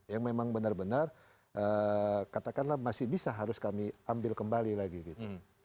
yang memang benar benar katakanlah masih bisa harus kami ambil kembali lagi gitu